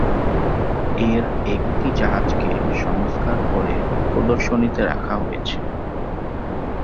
এর একটি জাহাজকে সংস্কার করে প্রদর্শনীতে রাখা হয়েছে।